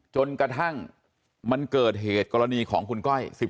จนกระทั่งมันเกิดเหตุกรณีของคุณก้อย